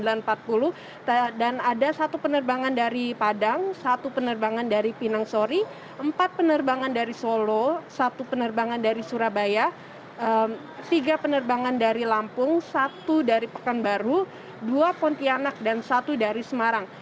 dan ada satu penerbangan dari padang satu penerbangan dari pinangsori empat penerbangan dari solo satu penerbangan dari surabaya tiga penerbangan dari lampung satu dari pekanbaru dua pontianak dan satu dari semarang